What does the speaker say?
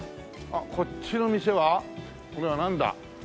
あっこっちの店はこれはなんだ？